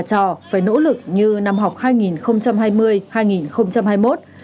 có lẽ chưa có năm học nào mà cả thầy và trò phải nỗ lực như năm học hai nghìn hai mươi hai nghìn hai mươi một